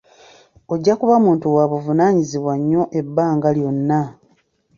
Ojja kuba muntu wa buvunaanyizibwa nyo ebbanga lyonna.